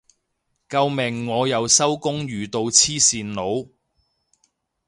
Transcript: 救命我又收工遇到黐線佬